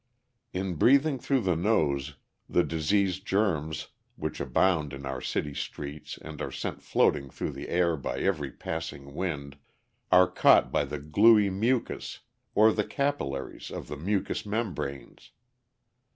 In breathing through the nose, the disease germs, which abound in our city streets and are sent floating through the air by every passing wind, are caught by the gluey mucus or the capillaries of the mucous membranes.